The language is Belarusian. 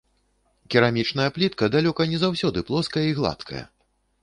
Керамічная плітка далёка не заўсёды плоская і гладкая.